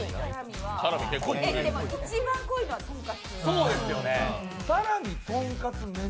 １番濃いのはとんかつ。